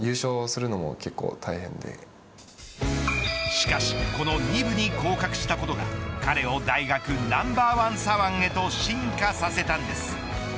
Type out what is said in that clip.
しかしこの２部に降格したことが彼を大学ナンバーワン左腕へと進化させたんです。